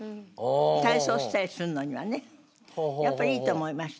体操したりするのにはねやっぱいいと思いました。